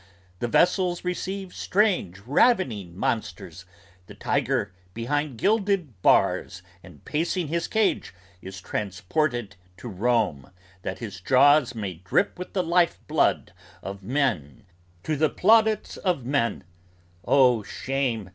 The vessels receive Strange ravening monsters; the tiger behind gilded bars And pacing his cage is transported to Rome, that his jaws May drip with the life blood of men to the plaudits of men Oh shame!